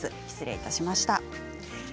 失礼いたしました。